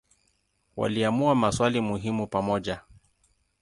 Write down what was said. Waliamua maswali muhimu pamoja.